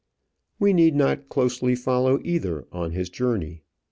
We need not closely follow either on his journey.